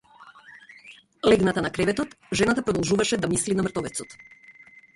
Легната на креветот жената продолжуваше да мисли на мртовецот.